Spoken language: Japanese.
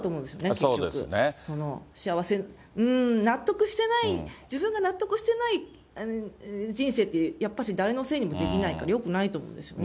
結局、幸せ、納得してない、自分が納得してない人生って、やっぱし誰のせいにもできないからよくないと思うんですよね。